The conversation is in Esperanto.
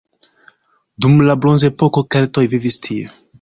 Dum la bronzepoko keltoj vivis tie.